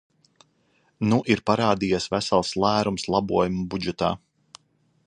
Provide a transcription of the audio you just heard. Nu ir parādījies vesels lērums labojumu budžetā.